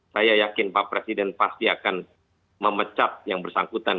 saya yakin pak presiden pasti akan memecat yang bersangkutan